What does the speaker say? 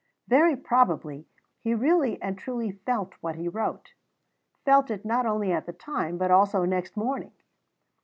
Very probably he really and truly felt what he wrote felt it not only at the time, but also next morning.